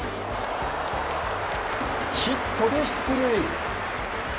ヒットで出塁。